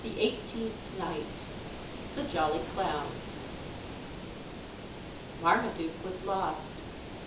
EIGHTEENTH NIGHT THE JOLLY CLOWN Marmaduke was lost.